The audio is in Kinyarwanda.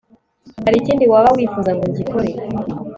harikindi waba wifuza ngo ngikore